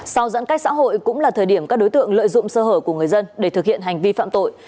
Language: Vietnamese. sau giãn cách xã hội cũng là thời điểm các đối tượng lợi dụng sơ hở của người dân để thực hiện hành vi phạm tội